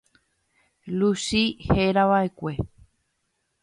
Luchi herava'ekue.